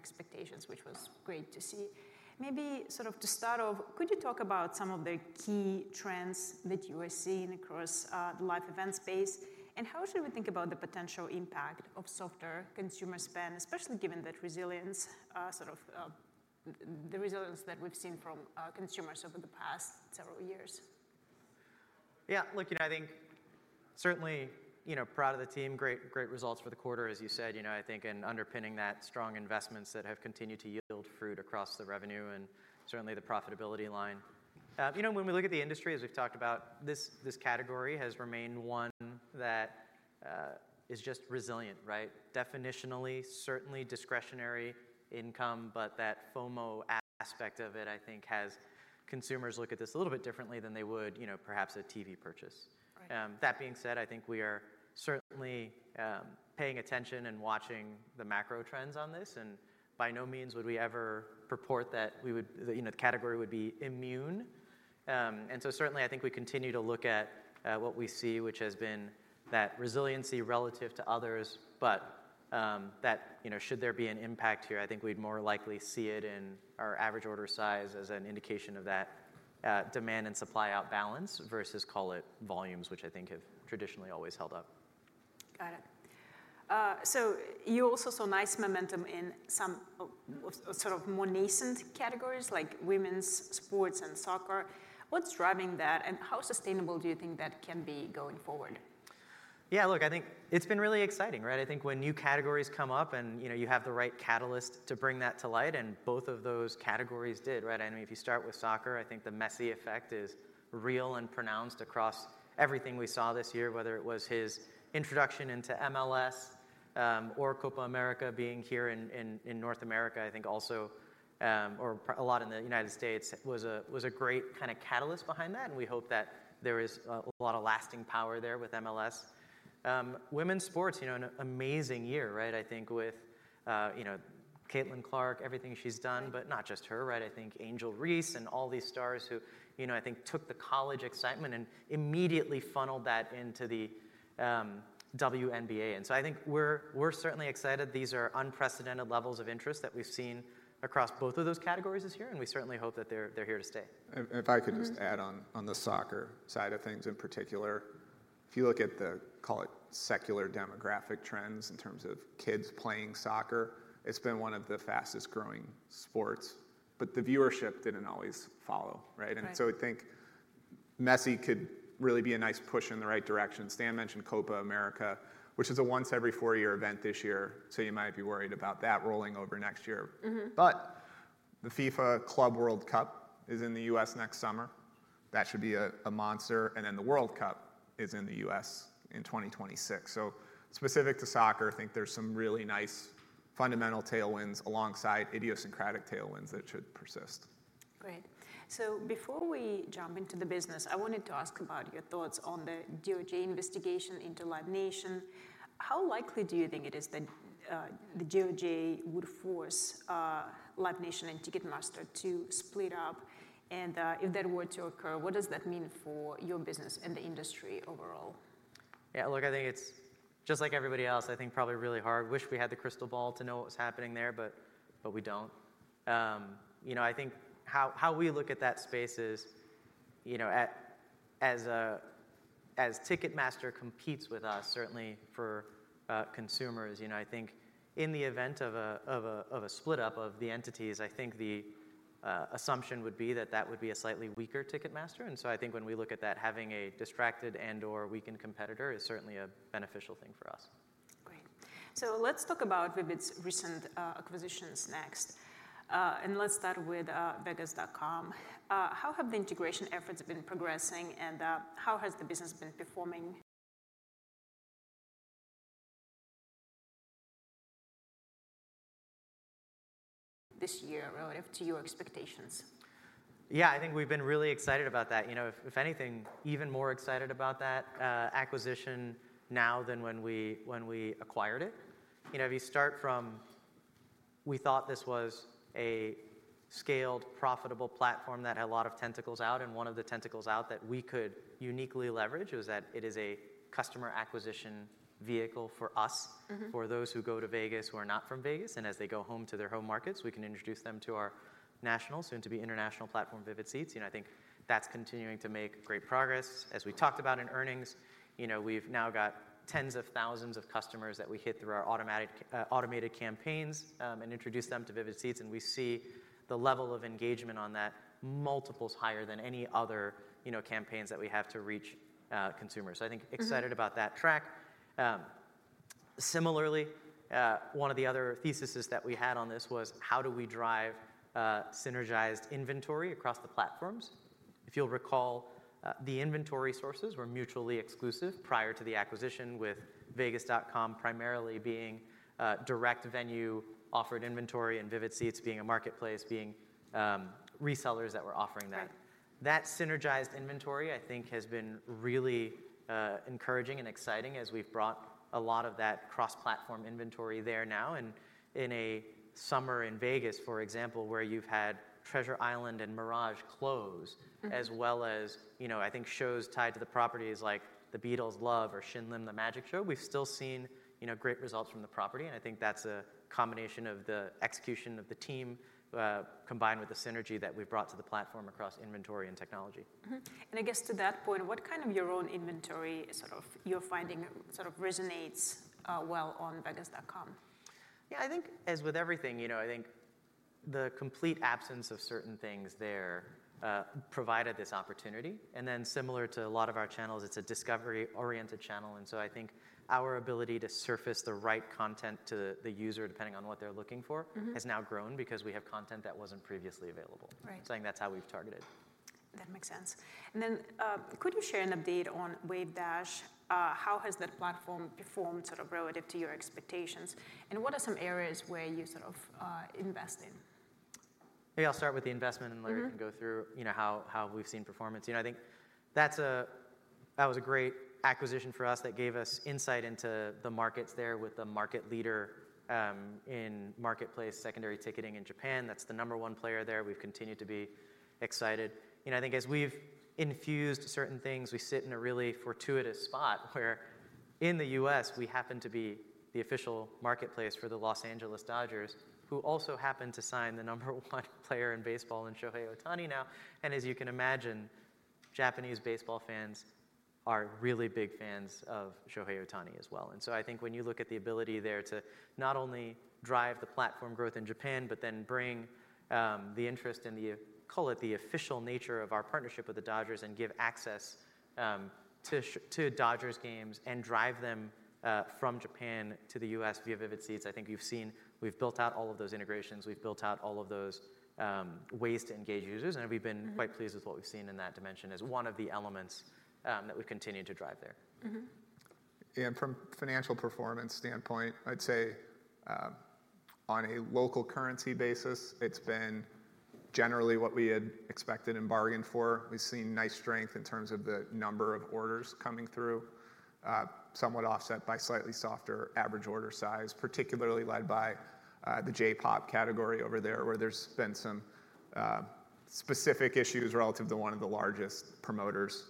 expectations, which was great to see. Maybe sort of to start off, could you talk about some of the key trends that you are seeing across the live event space? And how should we think about the potential impact of softer consumer spend, especially given that resilience, sort of, the resilience that we've seen from consumers over the past several years? Yeah, look, you know, I think certainly, you know, proud of the team. Great, great results for the quarter, as you said. You know, I think in underpinning that strong investments that have continued to yield fruit across the revenue and certainly the profitability line. You know, when we look at the industry, as we've talked about, this, this category has remained one that is just resilient, right? Definitionally, certainly discretionary income, but that FOMO aspect of it, I think, has consumers look at this a little bit differently than they would, you know, perhaps a TV purchase. Right. That being said, I think we are certainly paying attention and watching the macro trends on this, and by no means would we ever purport that we would, that, you know, the category would be immune. And so certainly, I think we continue to look at what we see, which has been that resiliency relative to others, but that, you know, should there be an impact here, I think we'd more likely see it in our average order size as an indication of that demand and supply out balance, versus call it, volumes, which I think have traditionally always held up. Got it. So you also saw nice momentum in some sort of more nascent categories like women's sports and soccer. What's driving that, and how sustainable do you think that can be going forward? Yeah, look, I think it's been really exciting, right? I think when new categories come up and, you know, you have the right catalyst to bring that to light, and both of those categories did, right? I mean, if you start with soccer, I think the Messi effect is real and pronounced across everything we saw this year, whether it was his introduction into MLS, or Copa América being here in North America, I think also, or a lot in the United States, was a great kind of catalyst behind that, and we hope that there is a lot of lasting power there with MLS. Women's sports, you know, an amazing year, right? I think with, you know, Caitlin Clark, everything she's done, but not just her, right? I think Angel Reese and all these stars who, you know, I think took the college excitement and immediately funneled that into the WNBA. And so I think we're certainly excited. These are unprecedented levels of interest that we've seen across both of those categories this year, and we certainly hope that they're here to stay. If I could just- Mm-hmm. .add on, on the soccer side of things in particular. If you look at the, call it, secular demographic trends in terms of kids playing soccer, it's been one of the fastest growing sports, but the viewership didn't always follow, right? Right. So I think Messi could really be a nice push in the right direction. Stan mentioned Copa América, which is a once every four-year event this year, so you might be worried about that rolling over next year. Mm-hmm. But the FIFA Club World Cup is in the U.S. next summer. That should be a monster, and then the World Cup is in the U.S. in 2026. So specific to soccer, I think there's some really nice fundamental tailwinds alongside idiosyncratic tailwinds that should persist. Great. So before we jump into the business, I wanted to ask about your thoughts on the DOJ investigation into Live Nation. How likely do you think it is that, the DOJ would force, Live Nation and Ticketmaster to split up? And, if that were to occur, what does that mean for your business and the industry overall? Yeah, look, I think it's just like everybody else. I think probably really hard. Wish we had the crystal ball to know what was happening there, but we don't. You know, I think how we look at that space is, you know, as Ticketmaster competes with us, certainly for consumers, you know, I think in the event of a split up of the entities, I think the assumption would be that that would be a slightly weaker Ticketmaster. And so I think when we look at that, having a distracted and/or weakened competitor is certainly a beneficial thing for us. Great. So let's talk about Vivid's recent acquisitions next, and let's start with Vegas.com. How have the integration efforts been progressing, and how has the business been performing this year relative to your expectations? Yeah, I think we've been really excited about that. You know, if, if anything, even more excited about that, acquisition now than when we, when we acquired it. You know, if you start from, we thought this was a scaled, profitable platform that had a lot of tentacles out, and one of the tentacles out that we could uniquely leverage was that it is a customer acquisition vehicle for us- Mm-hmm... for those who go to Vegas, who are not from Vegas, and as they go home to their home markets, we can introduce them to our national, soon-to-be international platform, Vivid Seats. You know, I think that's continuing to make great progress. As we talked about in earnings, you know, we've now got tens of thousands of customers that we hit through our automatic, automated campaigns, and introduce them to Vivid Seats, and we see the level of engagement on that multiples higher than any other, you know, campaigns that we have to reach, consumers. Mm-hmm. So I think, excited about that track. Similarly, one of the other theses that we had on this was: how do we drive, synergized inventory across the platforms? If you'll recall, the inventory sources were mutually exclusive prior to the acquisition, with Vegas.com primarily being a direct venue, offered inventory, and Vivid Seats being a marketplace, being, resellers that were offering that. That synergized inventory, I think, has been really, encouraging and exciting as we've brought a lot of that cross-platform inventory there now. And in a summer in Vegas, for example, where you've had Treasure Island and Mirage close- Mm-hmm. as well as, you know, I think shows tied to the properties like The Beatles LOVE or Shin Lim: The Magic Show, we've still seen, you know, great results from the property, and I think that's a combination of the execution of the team, combined with the synergy that we've brought to the platform across inventory and technology. Mm-hmm. And I guess to that point, what kind of your own inventory is sort of, you're finding sort of resonates well on Vegas.com? Yeah, I think as with everything, you know, I think the complete absence of certain things there provided this opportunity, and then similar to a lot of our channels, it's a discovery-oriented channel, and so I think our ability to surface the right content to the user, depending on what they're looking for- Mm-hmm has now grown because we have content that wasn't previously available. Right. I think that's how we've targeted. That makes sense. And then, could you share an update on Wavedash? How has that platform performed sort of relative to your expectations, and what are some areas where you sort of, invest in? Maybe I'll start with the investment- Mm-hmm... and Larry can go through, you know, how we've seen performance. You know, I think that's a, that was a great acquisition for us, that gave us insight into the markets there with the market leader in marketplace secondary ticketing in Japan. That's the number one player there. We've continued to be excited. You know, I think as we've infused certain things, we sit in a really fortuitous spot, where in the US, we happen to be the official marketplace for the Los Angeles Dodgers, who also happen to sign the number one player in baseball, Shohei Ohtani now, and as you can imagine, Japanese baseball fans are really big fans of Shohei Ohtani as well. And so I think when you look at the ability there to not only drive the platform growth in Japan, but then bring the interest and the, call it the official nature of our partnership with the Dodgers and give access to Dodgers games and drive them from Japan to the U.S. via Vivid Seats. I think you've seen, we've built out all of those integrations, we've built out all of those ways to engage users, and we've been- Mm-hmm... quite pleased with what we've seen in that dimension as one of the elements, that we've continued to drive there. Mm-hmm. From financial performance standpoint, I'd say, on a local currency basis, it's been generally what we had expected and bargained for. We've seen nice strength in terms of the number of orders coming through, somewhat offset by slightly softer average order size, particularly led by the J-pop category over there, where there's been some specific issues relative to one of the largest promoters,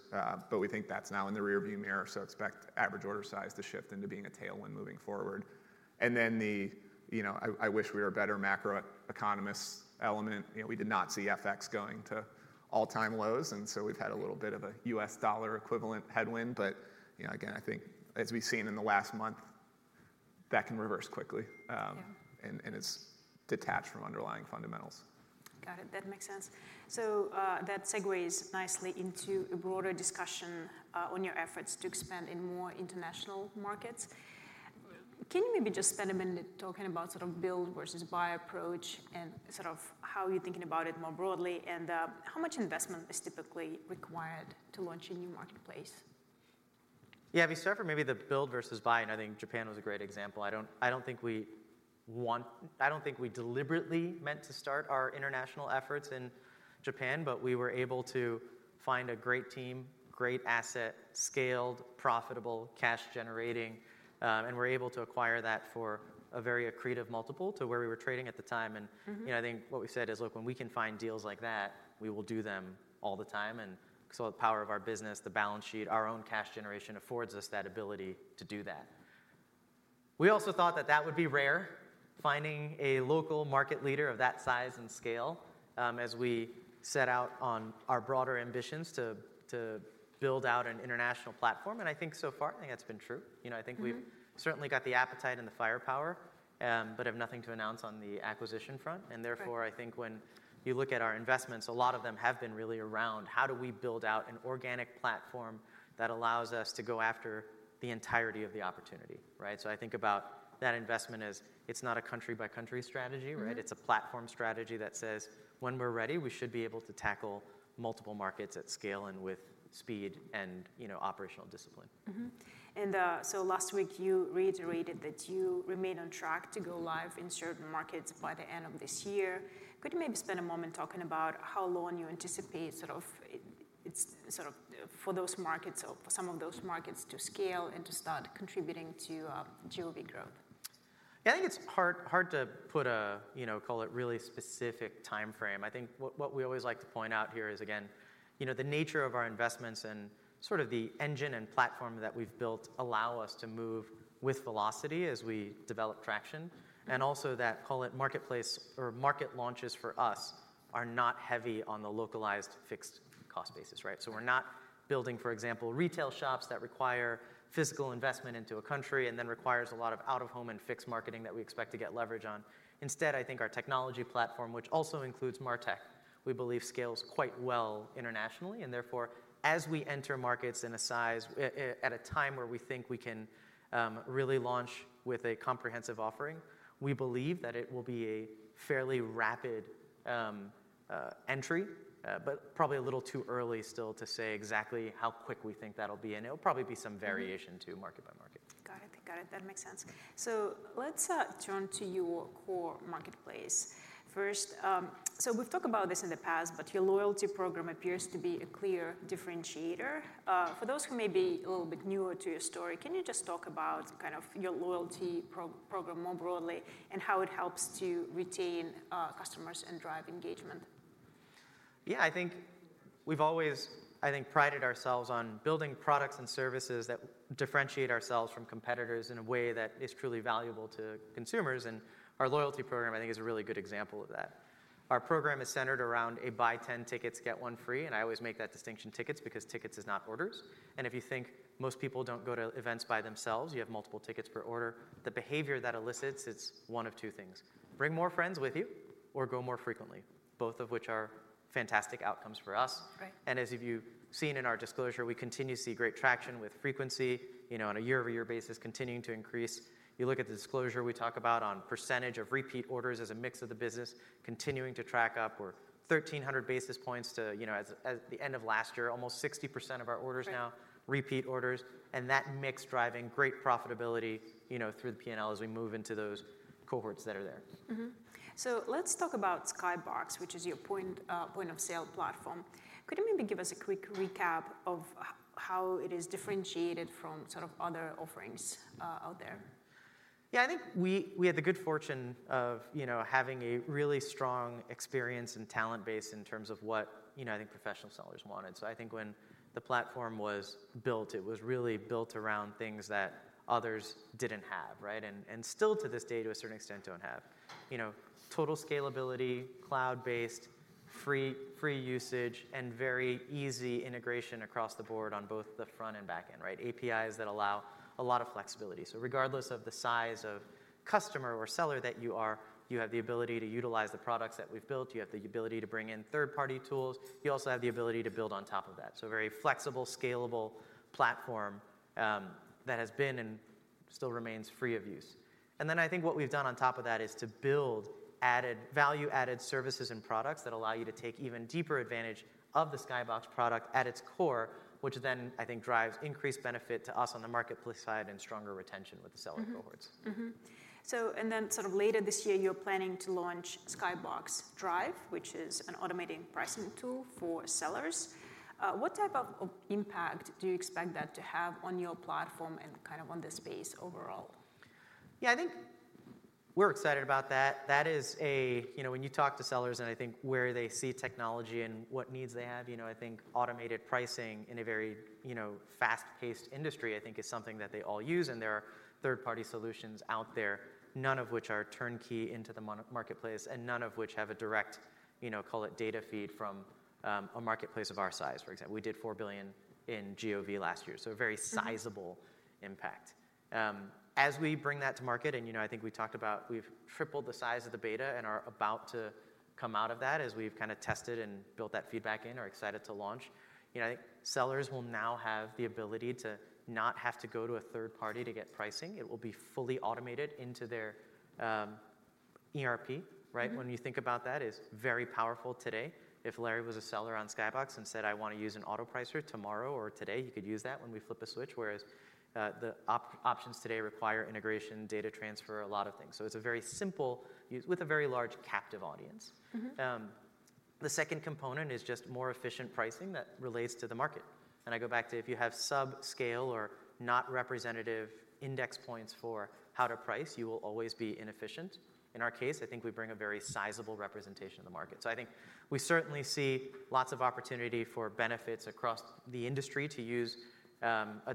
but we think that's now in the rearview mirror, so expect average order size to shift into being a tailwind moving forward. And then the, you know, I wish we were better macroeconomists element, you know, we did not see FX going to all-time lows, and so we've had a little bit of a U.S. dollar equivalent headwind, but you know, again, I think as we've seen in the last month, that can reverse quickly. Yeah and it's detached from underlying fundamentals. Got it. That makes sense. So, that segues nicely into a broader discussion on your efforts to expand in more international markets. Can you maybe just spend a minute talking about sort of build versus buy approach, and sort of how you're thinking about it more broadly, and how much investment is typically required to launch a new marketplace? Yeah, if you start from maybe the build versus buy, and I think Japan was a great example. I don't, I don't think we want. I don't think we deliberately meant to start our international efforts in Japan, but we were able to find a great team, great asset, scaled, profitable, cash generating, and we're able to acquire that for a very accretive multiple to where we were trading at the time and- Mm-hmm you know, I think what we said is, look, when we can find deals like that, we will do them all the time, and so the power of our business, the balance sheet, our own cash generation affords us that ability to do that. We also thought that that would be rare, finding a local market leader of that size and scale, as we set out on our broader ambitions to, to build out an international platform, and I think so far, I think that's been true. You know, I think we've- Mm-hmm certainly got the appetite and the firepower, but have nothing to announce on the acquisition front. Right. Therefore, I think when you look at our investments, a lot of them have been really around: how do we build out an organic platform that allows us to go after the entirety of the opportunity, right? I think about that investment as it's not a country-by-country strategy, right? Mm-hmm. It's a platform strategy that says, when we're ready, we should be able to tackle multiple markets at scale and with speed and, you know, operational discipline. Mm-hmm. And, so last week you reiterated that you remain on track to go live in certain markets by the end of this year. Could you maybe spend a moment talking about how long you anticipate, sort of, it, sort of, for those markets or some of those markets to scale and to start contributing to, GOV growth? Yeah, I think it's hard, hard to put a, you know, call it really specific time frame. I think what, what we always like to point out here is, again, you know, the nature of our investments and sort of the engine and platform that we've built allow us to move with velocity as we develop traction, and also that, call it marketplace or market launches for us, are not heavy on the localized fixed cost basis, right? So we're not building, for example, retail shops that require physical investment into a country and then requires a lot of out-of-home and fixed marketing that we expect to get leverage on. Instead, I think our technology platform, which also includes MarTech, we believe scales quite well internationally, and therefore, as we enter markets in a size at a time where we think we can really launch with a comprehensive offering, we believe that it will be a fairly rapid entry, but probably a little too early still to say exactly how quick we think that'll be. And it'll probably be some variation- Mm-hmm too, market by market. Got it. Got it. That makes sense. So let's turn to your core marketplace.... first, so we've talked about this in the past, but your loyalty program appears to be a clear differentiator. For those who may be a little bit newer to your story, can you just talk about kind of your loyalty program more broadly, and how it helps to retain customers and drive engagement? Yeah, I think we've always, I think, prided ourselves on building products and services that differentiate ourselves from competitors in a way that is truly valuable to consumers, and our loyalty program, I think, is a really good example of that. Our program is centered around a buy 10 tickets, get 1 free, and I always make that distinction, tickets, because tickets is not orders. And if you think most people don't go to events by themselves, you have multiple tickets per order. The behavior that elicits, it's one of two things: bring more friends with you or go more frequently, both of which are fantastic outcomes for us. Right. As you've seen in our disclosure, we continue to see great traction with frequency, you know, on a year-over-year basis, continuing to increase. You look at the disclosure we talk about on percentage of repeat orders as a mix of the business continuing to track up or 1,300 basis points to, you know, as, as the end of last year, almost 60% of our orders now- Right repeat orders, and that mix driving great profitability, you know, through the P&L as we move into those cohorts that are there. Mm-hmm. So let's talk about Skybox, which is your point of sale platform. Could you maybe give us a quick recap of how it is differentiated from sort of other offerings out there? Yeah, I think we had the good fortune of, you know, having a really strong experience and talent base in terms of what, you know, I think professional sellers wanted. So I think when the platform was built, it was really built around things that others didn't have, right? And still to this day, to a certain extent, don't have. You know, total scalability, cloud-based, free usage, and very easy integration across the board on both the front and back end, right? APIs that allow a lot of flexibility. So regardless of the size of customer or seller that you are, you have the ability to utilize the products that we've built, you have the ability to bring in third-party tools, you also have the ability to build on top of that. A very flexible, scalable platform that has been and still remains free of use. Then I think what we've done on top of that is to build added, value-added services and products that allow you to take even deeper advantage of the Skybox product at its core, which then I think drives increased benefit to us on the marketplace side and stronger retention with the seller cohorts. Mm-hmm. Mm-hmm. So, and then sort of later this year, you're planning to launch Skybox Drive, which is an automated pricing tool for sellers. What type of impact do you expect that to have on your platform and kind of on the space overall? Yeah, I think we're excited about that. That is a... You know, when you talk to sellers, and I think where they see technology and what needs they have, you know, I think automated pricing in a very, you know, fast-paced industry, I think is something that they all use, and there are third-party solutions out there, none of which are turnkey into the marketplace, and none of which have a direct, you know, call it data feed from a marketplace of our size, for example. We did $4 billion in GOV last year, so a very- Mm-hmm sizable impact. As we bring that to market, and, you know, I think we talked about we've tripled the size of the beta and are about to come out of that as we've kind of tested and built that feedback in, are excited to launch. You know, I think sellers will now have the ability to not have to go to a third party to get pricing. It will be fully automated into their ERP, right? Mm-hmm. When you think about that, it's very powerful today. If Larry was a seller on Skybox and said: "I want to use an Auto pricer tomorrow or today," he could use that when we flip a switch, whereas the options today require integration, data transfer, a lot of things. So it's a very simple use with a very large captive audience. Mm-hmm. The second component is just more efficient pricing that relates to the market. I go back to, if you have sub-scale or not representative index points for how to price, you will always be inefficient. In our case, I think we bring a very sizable representation of the market. So I think we certainly see lots of opportunity for benefits across the industry to use,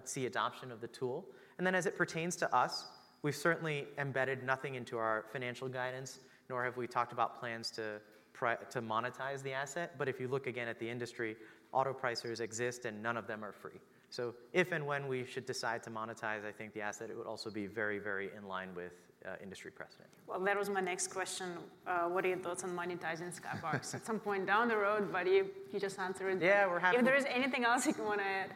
see adoption of the tool. And then as it pertains to us, we've certainly embedded nothing into our financial guidance, nor have we talked about plans to monetize the asset. But if you look again at the industry, auto pricer exist, and none of them are free. So if and when we should decide to monetize, I think the asset, it would also be very, very in line with, industry precedent. Well, that was my next question. What are your thoughts on monetizing Skybox? At some point down the road, but you, you just answered. Yeah, we're happy- If there is anything else you wanna add?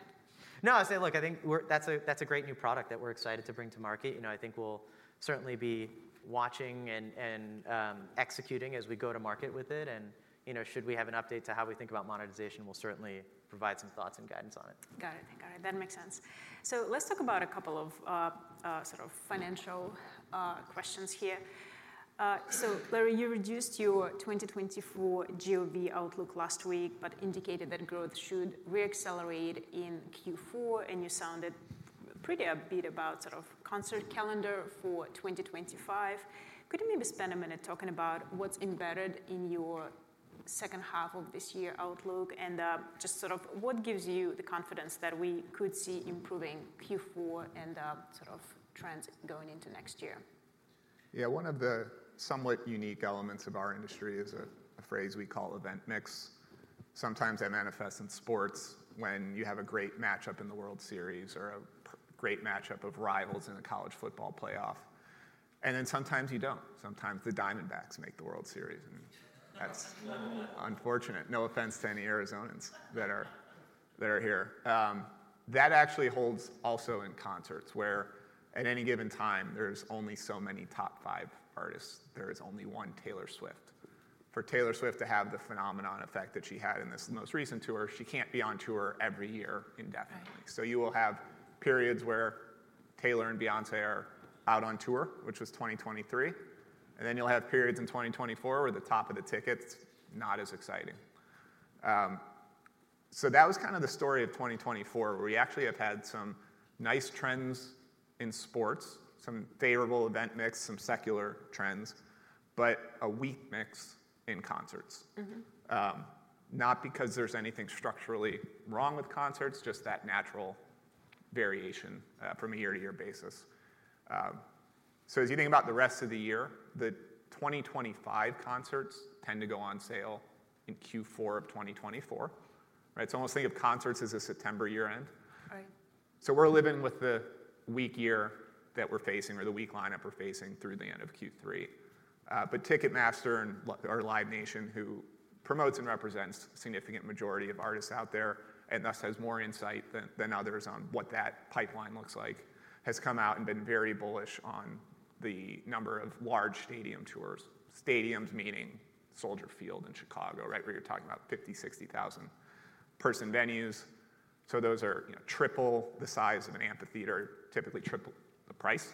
No, I'd say, look, I think we're... That's a great new product that we're excited to bring to market. You know, I think we'll certainly be watching and executing as we go to market with it. And, you know, should we have an update to how we think about monetization? We'll certainly provide some thoughts and guidance on it. Got it. Got it. That makes sense. So let's talk about a couple of, sort of financial, questions here. So Larry, you reduced your 2024 GOV outlook last week, but indicated that growth should re-accelerate in Q4, and you sounded pretty upbeat about sort of concert calendar for 2025. Could you maybe spend a minute talking about what's embedded in your second half of this year outlook, and, just sort of what gives you the confidence that we could see improving Q4 and, sort of trends going into next year? Yeah. One of the somewhat unique elements of our industry is a phrase we call event mix. Sometimes that manifests in sports, when you have a great matchup in the World Series or a great matchup of rivals in a college football playoff, and then sometimes you don't. Sometimes the Diamondbacks make the World Series, and that's unfortunate. No offense to any Arizonans that are here. That actually holds also in concerts, where at any given time, there's only so many top five artists. There is only one Taylor Swift. For Taylor Swift to have the phenomenon effect that she had in this most recent tour, she can't be on tour every year indefinitely. Right. So you will have periods where Taylor and Beyoncé are out on tour, which was 2023, and then you'll have periods in 2024, where the top of the ticket's not as exciting. So that was kind of the story of 2024, where we actually have had some nice trends in sports, some favorable event mix, some secular trends, but a weak mix in concerts. Mm-hmm. Not because there's anything structurally wrong with concerts, just that natural variation from a year-to-year basis. So as you think about the rest of the year, the 2025 concerts tend to go on sale in Q4 of 2024, right? So almost think of concerts as a September year-end. Right. So we're living with the weak year that we're facing, or the weak lineup we're facing through the end of Q3. But Ticketmaster and Live Nation, who promotes and represents a significant majority of artists out there, and thus has more insight than others on what that pipeline looks like, has come out and been very bullish on the number of large stadium tours. Stadiums meaning Soldier Field in Chicago, right, where you're talking about 50-60,000-person venues. So those are, you know, triple the size of an amphitheatre, typically triple the price.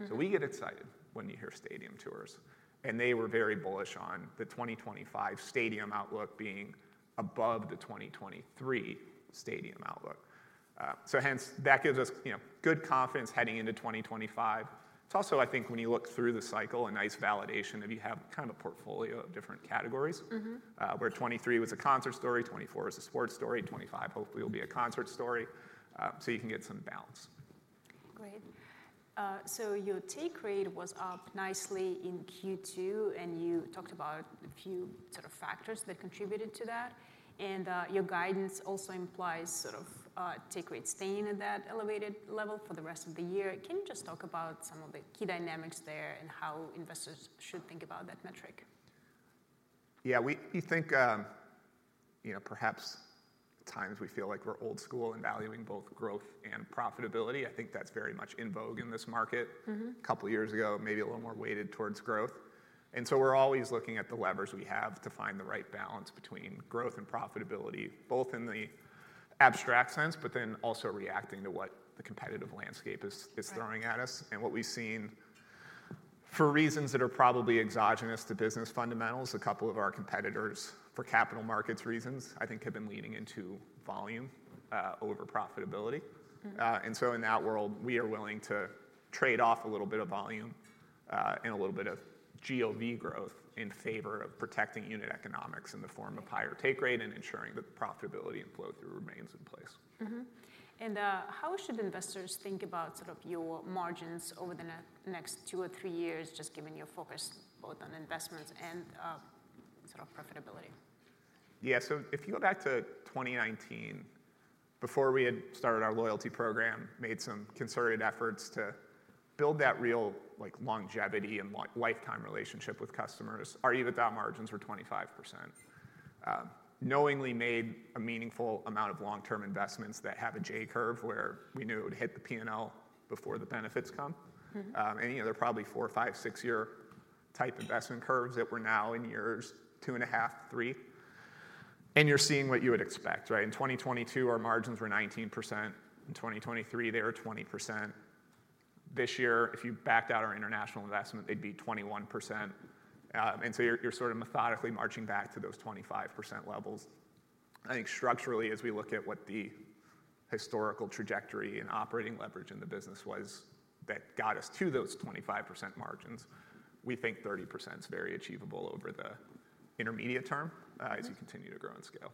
Mm-hmm. So we get excited when you hear stadium tours, and they were very bullish on the 2025 stadium outlook being above the 2023 stadium outlook. So hence, that gives us, you know, good confidence heading into 2025. It's also, I think, when you look through the cycle, a nice validation that you have kind of a portfolio of different categories. Mm-hmm. where 2023 was a concert story, 2024 was a sports story, and 2025 hopefully will be a concert story, so you can get some balance. Great. So your take rate was up nicely in Q2, and you talked about a few sort of factors that contributed to that. And your guidance also implies sort of take rate staying at that elevated level for the rest of the year. Can you just talk about some of the key dynamics there, and how investors should think about that metric? Yeah, we think, you know, perhaps at times we feel like we're old school in valuing both growth and profitability. I think that's very much in vogue in this market. Mm-hmm. A couple of years ago, maybe a little more weighted towards growth, and so we're always looking at the levers we have to find the right balance between growth and profitability, both in the abstract sense, but then also reacting to what the competitive landscape is. Right is throwing at us. What we've seen, for reasons that are probably exogenous to business fundamentals, a couple of our competitors, for capital markets reasons, I think, have been leaning into volume over profitability. Mm. And so in that world, we are willing to trade off a little bit of volume, and a little bit of GOV growth in favor of protecting unit economics in the form of higher take rate, and ensuring that the profitability and flow-through remains in place. Mm-hmm. And how should investors think about sort of your margins over the next two or three years, just given your focus both on investments and sort of profitability? Yeah. So if you go back to 2019, before we had started our loyalty program, made some concerted efforts to build that real, like, longevity and lifetime relationship with customers, our EBITDA margins were 25%. Knowingly made a meaningful amount of long-term investments that have a J curve, where we knew it would hit the P and L before the benefits come. Mm-hmm. And, you know, they're probably four, five, six-year type investment curves that we're now in years two and a half, three, and you're seeing what you would expect, right? In 2022, our margins were 19%. In 2023, they were 20%. This year, if you backed out our international investment, they'd be 21%. And so you're, you're sort of methodically marching back to those 25% levels. I think structurally, as we look at what the historical trajectory and operating leverage in the business was, that got us to those 25% margins, we think 30% is very achievable over the intermediate term- Mm-hmm... as you continue to grow and scale.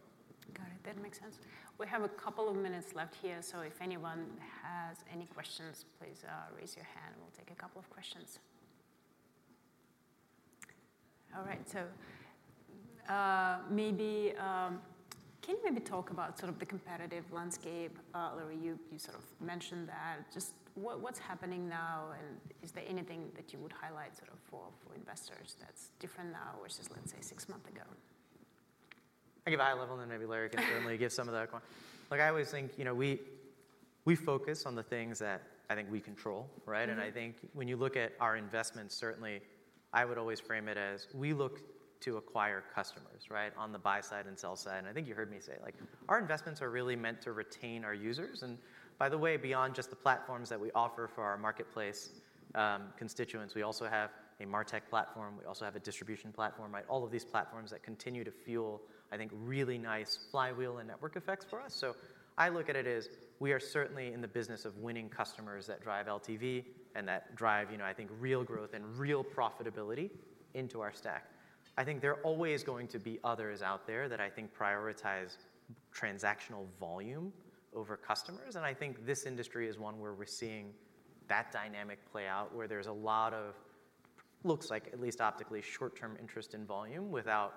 Got it. That makes sense. We have a couple of minutes left here, so if anyone has any questions, please, raise your hand, and we'll take a couple of questions. All right, so, maybe, can you maybe talk about sort of the competitive landscape? Larry, you, you sort of mentioned that. Just what, what's happening now, and is there anything that you would highlight sort of for, for investors that's different now versus, let's say, six months ago? I can give high level, and then maybe Larry can certainly give some of the other points. Like I always think, you know, we focus on the things that I think we control, right? Mm-hmm. I think when you look at our investments, certainly, I would always frame it as we look to acquire customers, right, on the buy side and sell side. And I think you heard me say, like, our investments are really meant to retain our users, and by the way, beyond just the platforms that we offer for our marketplace constituents, we also have a MarTech platform, we also have a distribution platform, right? All of these platforms that continue to fuel, I think, really nice flywheel and network effects for us. So I look at it as, we are certainly in the business of winning customers that drive LTV, and that drive, you know, I think, real growth and real profitability into our stack. I think there are always going to be others out there that I think prioritize transactional volume over customers, and I think this industry is one where we're seeing that dynamic play out, where there's a lot of... looks like, at least optically, short-term interest in volume without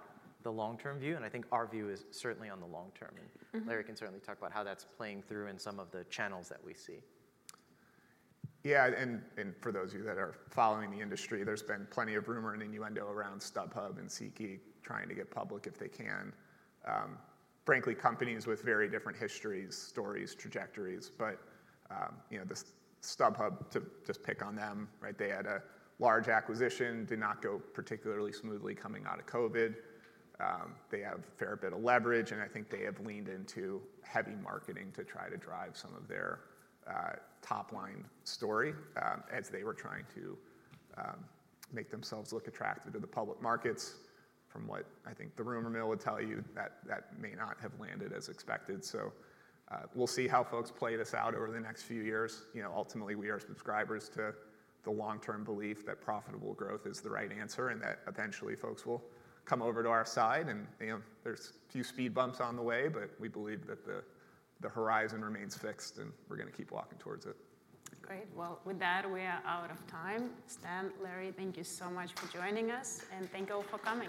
the long-term view, and I think our view is certainly on the long term. Mm-hmm. Larry can certainly talk about how that's playing through in some of the channels that we see. Yeah, and for those of you that are following the industry, there's been plenty of rumor and innuendo around StubHub and SeatGeek trying to go public if they can. Frankly, companies with very different histories, stories, trajectories, but you know, the StubHub, to just pick on them, right, they had a large acquisition, did not go particularly smoothly coming out of COVID. They have a fair bit of leverage, and I think they have leaned into heavy marketing to try to drive some of their top-line story, as they were trying to make themselves look attractive to the public markets. From what I think the rumor mill would tell you, that may not have landed as expected. So, we'll see how folks play this out over the next few years. You know, ultimately, we are subscribers to the long-term belief that profitable growth is the right answer, and that eventually folks will come over to our side. You know, there's a few speed bumps on the way, but we believe that the horizon remains fixed, and we're gonna keep walking towards it. Great. Well, with that, we are out of time. Stan, Larry, thank you so much for joining us, and thank you all for coming.